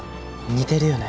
似てるよね